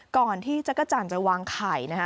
ก่อนที่จักรจันทร์จะวางไข่นะฮะ